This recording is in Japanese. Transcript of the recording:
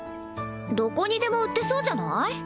どこにでも売ってそうじゃない？